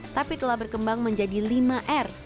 tapi telah berkembang menjadi lima r